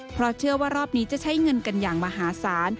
เพราะเชื่อว่ารอบนี้จะใช้เงินกันอย่างมหาศาล